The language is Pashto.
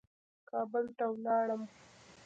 کابل ته ولاړم.